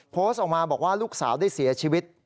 โพสต์ออกมาบอกว่าลูกสาวได้เสียชีวิต